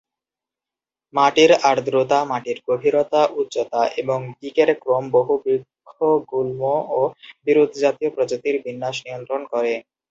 মাটির আর্দ্রতা, মাটির গভীরতা, উচ্চতা এবং দিকের ক্রম বহু বৃক্ষ, গুল্ম এবং বিরুৎজাতীয় প্রজাতির বিন্যাস নিয়ন্ত্রণ করে।